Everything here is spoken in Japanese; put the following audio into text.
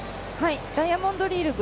ダイヤモンドリーグ